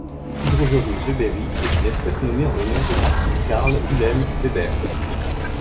Hydrosaurus weberi est une espèce nommée en l'honneur de Max Carl Wilhelm Weber.